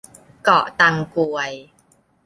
เกาะตังกวย